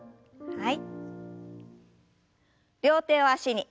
はい。